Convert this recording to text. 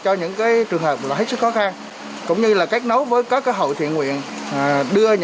cho những cái trường hợp là hết sức khó khăn cũng như là kết nối với các hội thiện nguyện